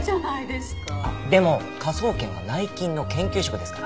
あっでも科捜研は内勤の研究職ですから。